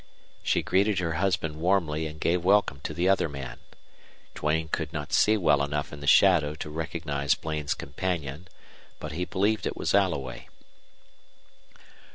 She greeted her husband warmly and gave welcome to the other man. Duane could not see well enough in the shadow to recognize Bland's companion, but he believed it was Alloway.